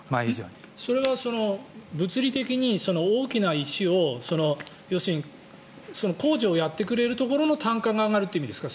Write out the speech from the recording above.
それは物理的に大きな石を工事をやってくれるところの単価が上がるという意味ですか？